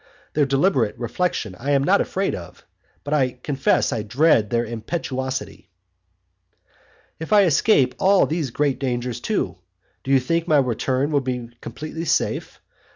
Their deliberate reflection I am not afraid of, but I confess I dread their impetuosity. If I escape all these great dangers too, do you think my return will be completely safe?